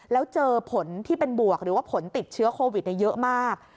แล้วเจอผลที่เป็นบวกหรือว่าผลติดเชื้อโควิดเยอะมาก